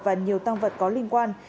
và nhiều tăng vật có liên quan